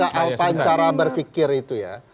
gak alpan cara berpikir itu ya